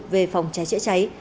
về phòng cháy chữa cháy